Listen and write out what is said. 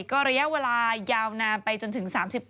ก็ระยะเวลายาวนานไปจนถึง๓๘